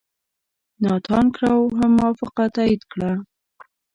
ناتان کرو هم موافقه تایید کړه.